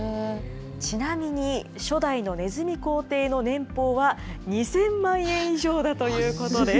ちなみに、初代のネズミ皇帝の年俸は、２０００万円以上だということです。